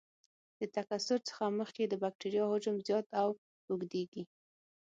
د تکثر څخه مخکې د بکټریا حجم زیات او اوږدیږي.